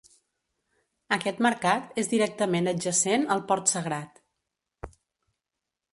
Aquest mercat és directament adjacent al port sagrat.